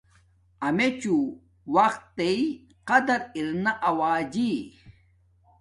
امیچوں وقت تݵ قدر ارنا آوجی